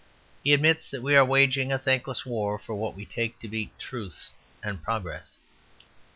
He admits that we are waging a thankless war for what we take to be Truth and Progress.